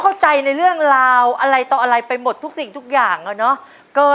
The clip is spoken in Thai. หัวใจเพื่อนว่าคิดพอบ้านเย้